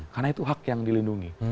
karena itu hak yang dilindungi